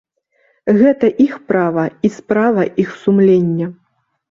Гэта іх права і справа іх сумлення.